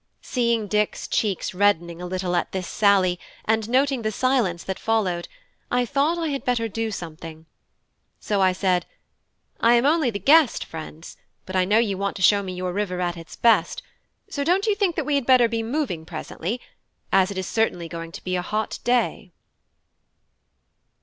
Seeing Dick's cheeks reddening a little at this sally, and noting that silence followed, I thought I had better do something. So I said: "I am only the guest, friends; but I know you want to show me your river at its best, so don't you think we had better be moving presently, as it is certainly going to be a hot day?"